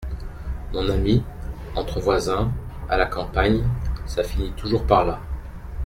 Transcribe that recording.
Mon ami, entre voisins, à la campagne, ça finit toujours par là.